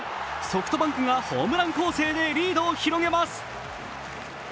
ソフトバンクがホームラン攻勢でリードを広げます。